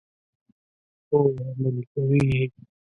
هو، عملي کوي یې.